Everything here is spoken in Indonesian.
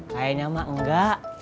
kayaknya emak enggak